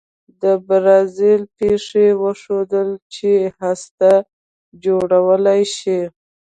د برازیل پېښې وښوده چې هسته جوړولای شي.